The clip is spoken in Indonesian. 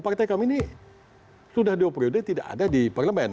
partai kami ini sudah dua puluh tahun sudah tidak ada di parlemen